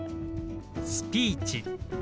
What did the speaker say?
「スピーチ」。